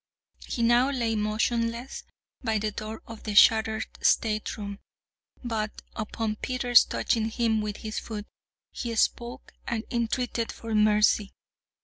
He now lay motionless by the door of the shattered stateroom; but, upon Peters touching him with his foot, he spoke, and entreated for mercy.